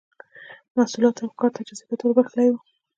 محصولاتو او ښکار ته جذابیت ور بخښلی و